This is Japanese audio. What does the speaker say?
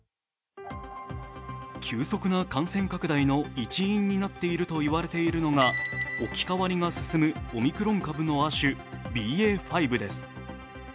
急速な感染拡大の一因になっているといわれているのが置き換わりが進むオミクロン株の亜種ＢＡ．５です。